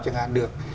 chẳng hạn được